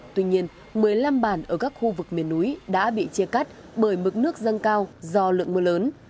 tuy nhiên một mươi năm bản ở các khu vực miền núi đã bị chia cắt bởi mực nước dâng cao do lượng mưa lớn